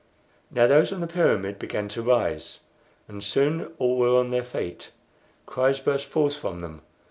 Now those on the pyramid began to rise, and soon all were on their feet. Cries burst forth from them.